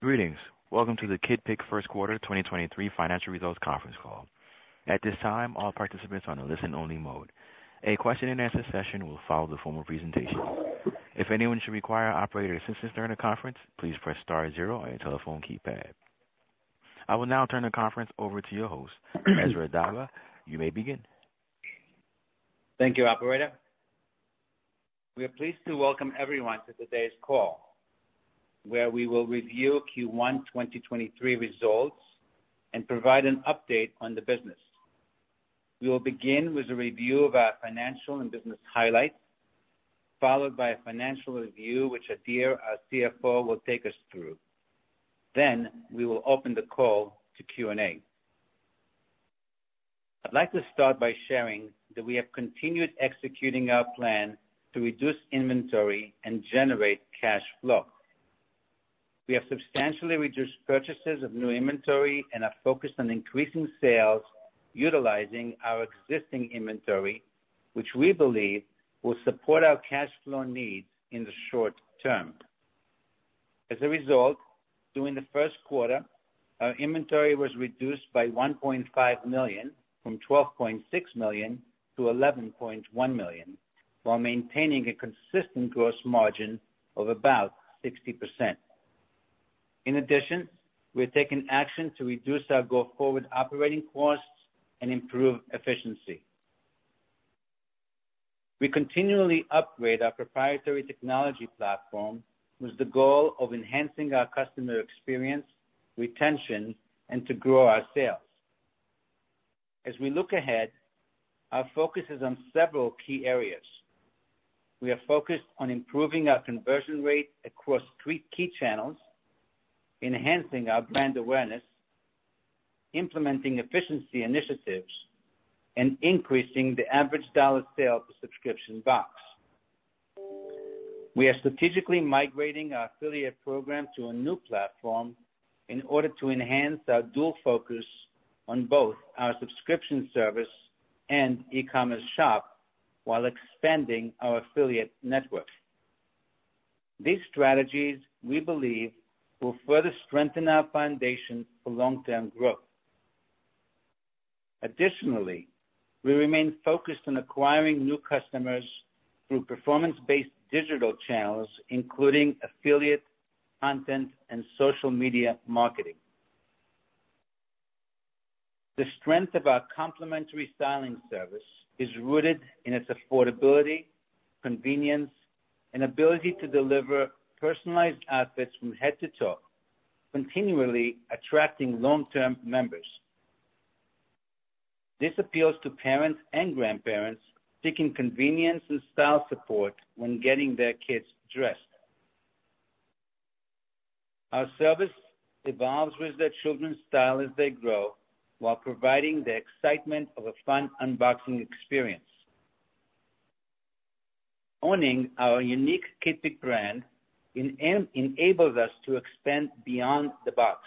Greetings. Welcome to the Kidpik first quarter 2023 financial results conference call. At this time, all participants are on a listen only mode. A question and answer session will follow the formal presentation. If anyone should require operator assistance during the conference, please press star zero on your telephone keypad. I will now turn the conference over to your host, Ezra Dabah. You may begin. Thank you, operator. We are pleased to welcome everyone to today's call, where we will review Q1 2023 results and provide an update on the business. We will begin with a review of our financial and business highlights, followed by a financial review, which Adir, our CFO, will take us through. We will open the call to Q&A. I'd like to start by sharing that we have continued executing our plan to reduce inventory and generate cash flow. We have substantially reduced purchases of new inventory and are focused on increasing sales, utilizing our existing inventory, which we believe will support our cash flow needs in the short term. As a result, during the first quarter, our inventory was reduced by $1.5 million from $12.6 million-$11.1 million, while maintaining a consistent gross margin of about 60%. In addition, we are taking action to reduce our go forward operating costs and improve efficiency. We continually upgrade our proprietary technology platform with the goal of enhancing our customer experience, retention and to grow our sales. As we look ahead, our focus is on several key areas. We are focused on improving our conversion rate across three key channels, enhancing our brand awareness, implementing efficiency initiatives, and increasing the average dollar sale per subscription box. We are strategically migrating our affiliate program to a new platform in order to enhance our dual focus on both our subscription service and e-commerce shop while expanding our affiliate network. These strategies, we believe, will further strengthen our foundation for long term growth. Additionally, we remain focused on acquiring new customers through performance based digital channels, including affiliate content and social media marketing. The strength of our complimentary styling service is rooted in its affordability, convenience, and ability to deliver personalized outfits from head to toe, continually attracting long term members. This appeals to parents and grandparents seeking convenience and style support when getting their kids dressed. Our service evolves with their children's style as they grow, while providing the excitement of a fun unboxing experience. Owning our unique Kidpik brand enables us to expand beyond the box.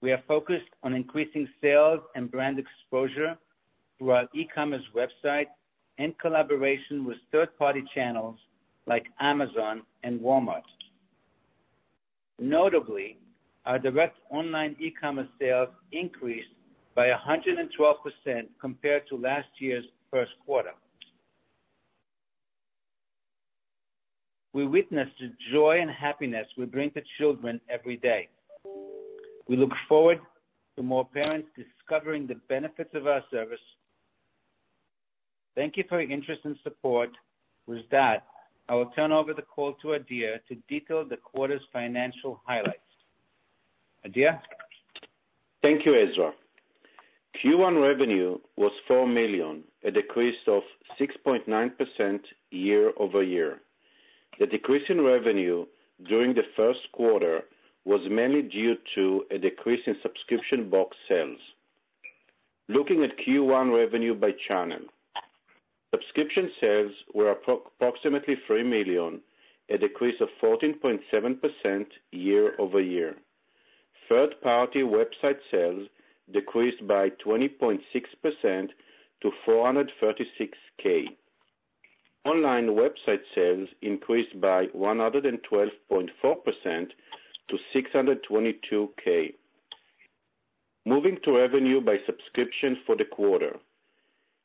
We are focused on increasing sales and brand exposure through our e-commerce website in collaboration with third party channels like Amazon and Walmart. Notably, our direct online e-commerce sales increased by 112% compared to last year's first quarter. We witnessed the joy and happiness we bring to children every day. We look forward to more parents discovering the benefits of our service. Thank you for your interest and support. With that, I will turn over the call to Adir to detail the quarter's financial highlights. Adir? Thank you, Ezra. Q1 revenue was $4 million, a decrease of 6.9% year-over-year. The decrease in revenue during the first quarter was mainly due to a decrease in subscription box sales. Looking at Q1 revenue by channel, subscription sales were approximately $3 million, a decrease of 14.7% year-over-year. Third-party website sales decreased by 20.6% to $436,000. Online website sales increased by 112.4% to $622,000. Moving to revenue by subscription for the quarter.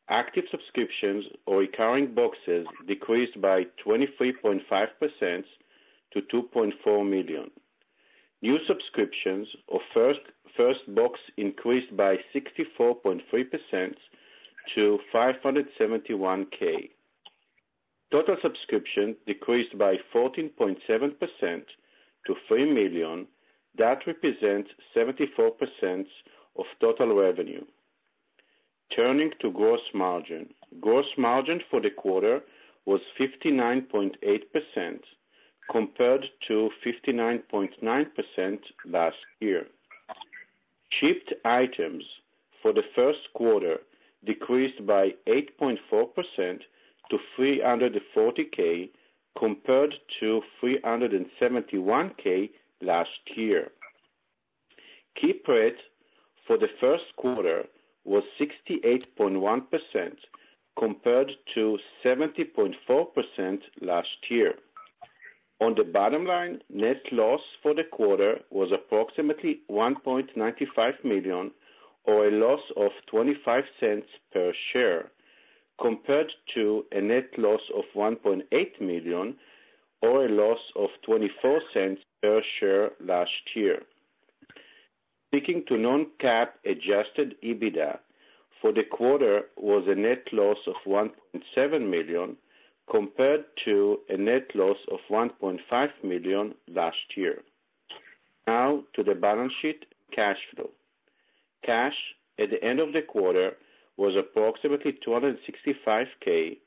Active subscriptions or recurring boxes decreased by 23.5% to $2.4 million. New subscriptions of first box increased by 64.3% to $571,000. Total subscription decreased by 14.7% to $3 million. That represents 74% of total revenue. Turning to gross margin. Gross margin for the quarter was 59.8%, compared to 59.9% last year. Shipped items for the first quarter decreased by 8.4% to 340,000, compared to 371,000 last year. Kidpik for the first quarter was 68.1% compared to 70.4% last year. On the bottom line, net loss for the quarter was approximately $1.95 million, or a loss of $0.25 per share, compared to a net loss of $1.8 million or a loss of $0.24 per share last year. Speaking to non-GAAP, adjusted EBITDA for the quarter was a net loss of $1.7 million, compared to a net loss of $1.5 million last year. Now to the balance sheet cash flow. Cash at the end of the quarter was approximately $265,000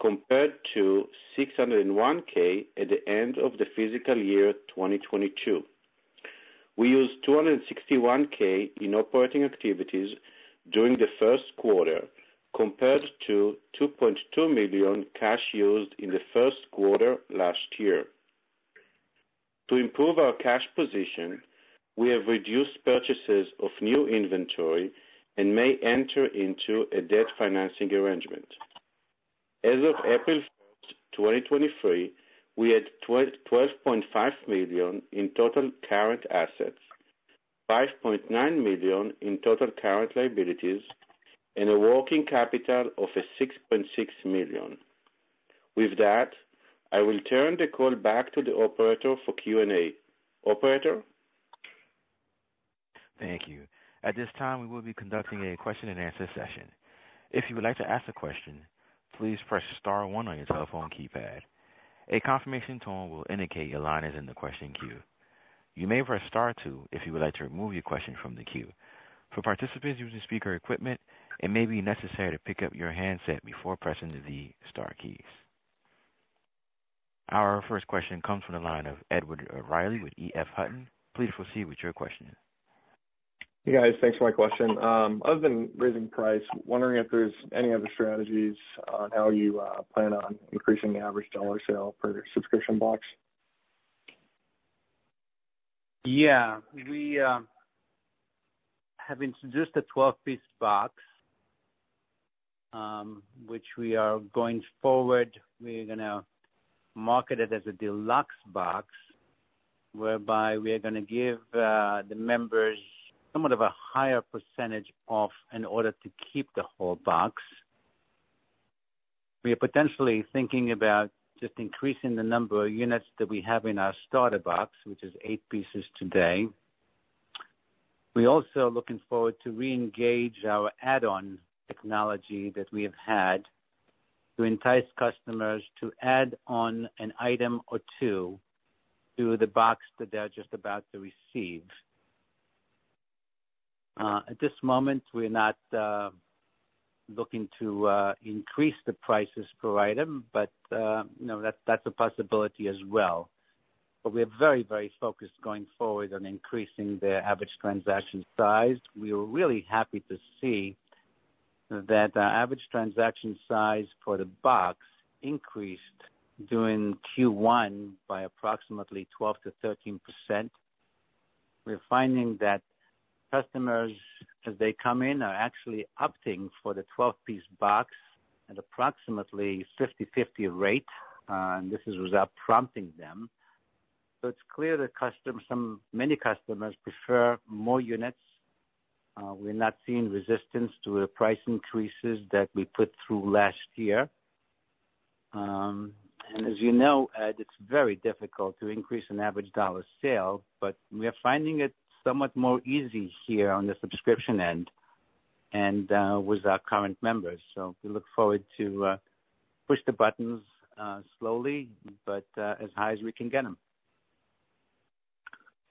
compared to $601,000 at the end of the fiscal year, 2022. We used $261,000 in operating activities during the first quarter, compared to $2.2 million cash used in the first quarter last year. To improve our cash position, we have reduced purchases of new inventory and may enter into a debt financing arrangement. As of April 1, 2023, we had $12.5 million in total current assets, $5.9 million in total current liabilities, and a working capital of a $6.6 million. With that, I will turn the call back to the operator for Q&A. Operator? Thank you. At this time, we will be conducting a question-and-answer session. If you would like to ask a question, please press star one on your telephone keypad. A confirmation tone will indicate your line is in the question queue. You may press star two if you would like to remove your question from the queue. For participants using speaker equipment, it may be necessary to pick up your handset before pressing the star keys. Our first question comes from the line of Edward O'Reilly with EF Hutton. Please proceed with your question. Hey, guys. Thanks for my question. Other than raising price, wondering if there's any other strategies on how you plan on increasing the average dollar sale per subscription box? Yeah. We have introduced a 12 piece box, which we are going forward. We're gonna market it as a deluxe box, whereby we are gonna give the members somewhat of a higher percentage off in order to keep the whole box. We are potentially thinking about just increasing the number of units that we have in our starter box, which is eight pieces today. We also are looking forward to reengage our add-on technology that we have had to entice customers to add on an item or two to the box that they're just about to receive. At this moment, we're not looking to increase the prices per item, but, you know, that's a possibility as well. We are very, very focused going forward on increasing the average transaction size. We are really happy to see that average transaction size for the box increased during Q1 by approximately 12%-13%. We're finding that customers, as they come in, are actually opting for the 12 piece box at approximately 50/50 rate, and this is without prompting them. It's clear that many customers prefer more units. We're not seeing resistance to the price increases that we put through last year. As you know, Ed, it's very difficult to increase an average dollar sale, but we are finding it somewhat more easy here on the subscription end and with our current members. We look forward to push the buttons slowly, but as high as we can get them.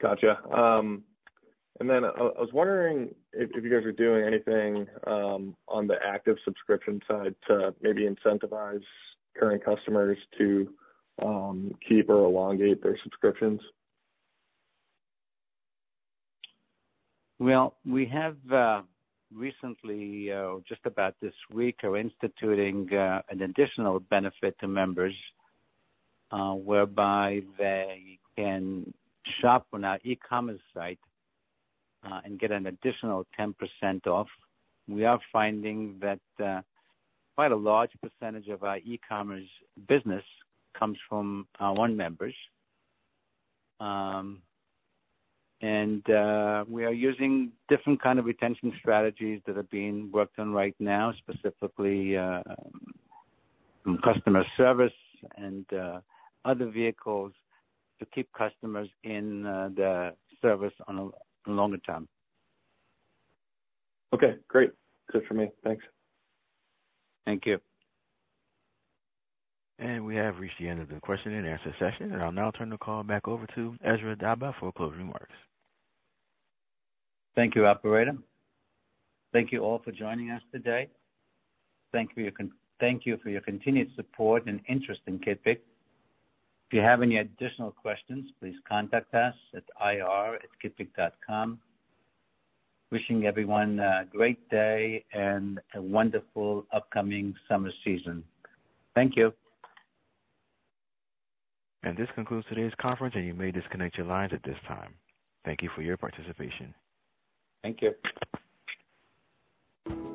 Gotcha. I was wondering if you guys are doing anything on the active subscription side to maybe incentivize current customers to keep or elongate their subscriptions. Well, we have recently, just about this week, are instituting an additional benefit to members, whereby they can shop on our e-commerce site, and get an additional 10% off. We are finding that quite a large percentage of our e-commerce business comes from our one members. We are using different kind of retention strategies that are being worked on right now, specifically, from customer service and other vehicles to keep customers in the service on a longer term. Okay, great. Good for me. Thanks. Thank you. We have reached the end of the question and answer session. I'll now turn the call back over to Ezra Dabah for closing remarks. Thank you, operator. Thank you all for joining us today. Thank you for your continued support and interest in Kidpik. If you have any additional questions, please contact us at ir@kidpik.com. Wishing everyone a great day and a wonderful upcoming summer season. Thank you. This concludes today's conference, and you may disconnect your lines at this time. Thank you for your participation. Thank you.